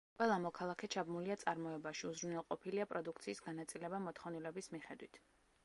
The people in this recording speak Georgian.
ყველა მოქალაქე ჩაბმულია წარმოებაში, უზრუნველყოფილია პროდუქციის განაწილება მოთხოვნილების მიხედვით.